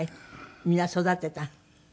みんな育てた。